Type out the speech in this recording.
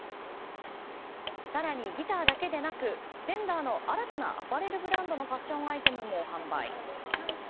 更に、ギターだけでなくフェンダーの新たなアパレルブランドのファッションアイテムも販売。